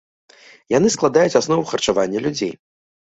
Яны складаюць аснову харчавання людзей.